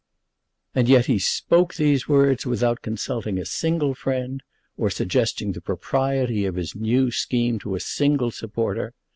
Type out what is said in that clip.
And yet he spoke these words without consulting a single friend, or suggesting the propriety of his new scheme to a single supporter.